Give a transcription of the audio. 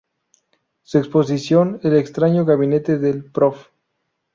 Su exposición: “El extraño Gabinete del Prof.